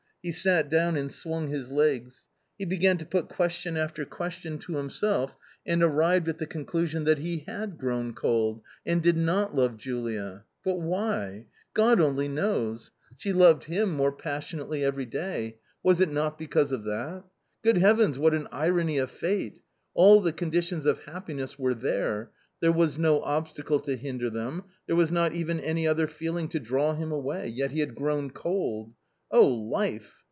He sat down and swung his legs. He began to put question after question to / himself, and arrived at the conclusion that h e had grown ^ L cold and did not l o ve Ju lia. But why ? God only knows ! She loved him more passionately every day; was it not because of that ? Good Heavens, what an irony of fate ! All the conditions of happiness were there. There was no obstacle to hinder them, there was not even any other feeling to draw him away, yet he had grown cold ! Oh, life